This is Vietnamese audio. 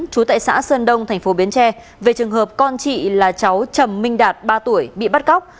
trú tại xã sơn đông tp bến tre về trường hợp con chị là cháu trầm minh đạt ba tuổi bị bắt cóc